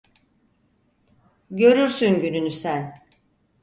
Görürsün gününü sen!